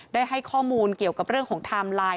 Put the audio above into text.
ได้ให้ข้อมูลเกี่ยวกับเรื่องของไทม์ไลน์